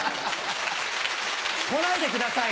来ないでください